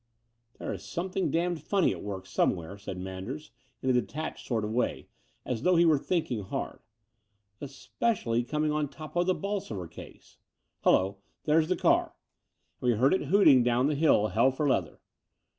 "There is something damned funny at work somewhere," said Manders, in a detached sort of way, as though he were thinking hard, "especially coming on top of the Bolsover case. Htdlo ! there's the car" — and we heard it hooting down the hill, » hell for leather.